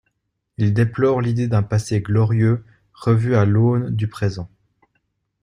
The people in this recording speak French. Il déplore l'idée d'un passé glorieux revu à l'aune du présent.